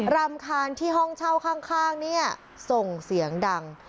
รำคาญที่ห้องเช่าข้างเนี่ยส่งเสียงดัง